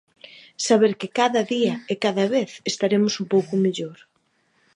Saber que cada día e cada vez estaremos un pouco mellor.